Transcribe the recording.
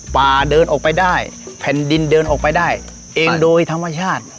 เดินออกไปได้แผ่นดินเดินออกไปได้เองโดยธรรมชาติ